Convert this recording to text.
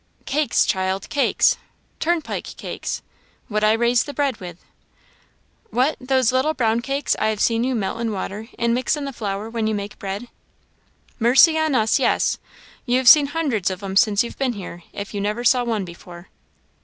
"Cakes, child, cakes turnpike cakes what I raise the bread with." "What, those little brown cakes I have seen you melt in water and mix in the flour when you make bread?" "Mercy on us! yes! you've seen hundreds of 'em since you've been here, if you never saw one before."